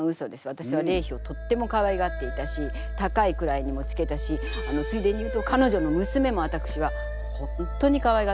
私は麗妃をとってもかわいがっていたし高い位にもつけたしついでに言うと彼女の娘も私は本当にかわいがっておりました。